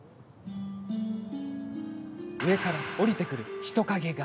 上から、下りてくる人影が。